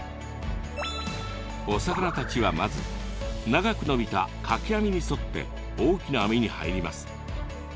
お魚たちはまず長くのびた垣網に沿って大きな網に入ります。